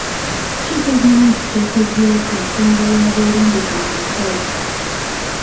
Ki gavumenti ky'ekozeewo ku nsonga y'abeerimbika mu basawo?